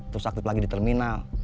terus aktif lagi di terminal